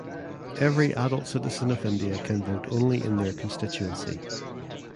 Every adult citizen of India can vote only in their constituency.